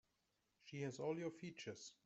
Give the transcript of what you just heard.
She has all your features.